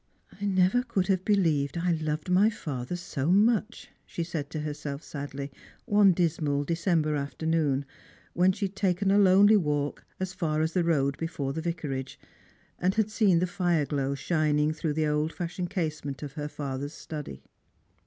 " I never could have believed I loved my father so much," she said to herself sadly, one dismal December afternoon, when she had taken a lonely walk as far as the road before the Vicarage, and had seen the fire glow shining through the old fashioned casement of her father's study.